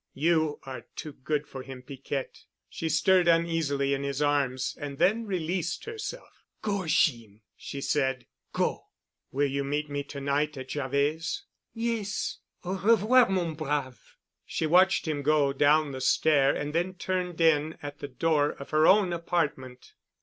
"You are too good for him, Piquette." She stirred uneasily in his arms and then released herself. "Go, Jeem——", she said. "Go." "Will you meet me to night at Javet's?" "Yes. Au revoir, mon brave." She watched him go down the stair and then turned in at the door of her own apartment.